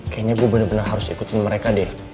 kayaknya gue bener bener harus ikutin mereka deh